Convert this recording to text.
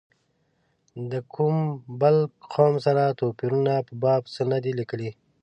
د کوم بل قوم سره توپیرونو په باب څه نه دي لیکلي.